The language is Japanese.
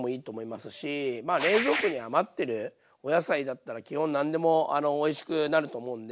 まあ冷蔵庫に余ってるお野菜だったら基本何でもおいしくなると思うんで。